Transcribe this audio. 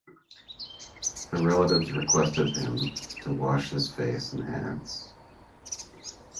Her relatives requested him to wash his face and hands.